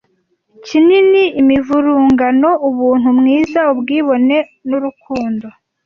Kinini, imivurungano, ubuntu, mwiza, ubwibone, n'urukundo,